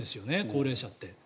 高齢者って。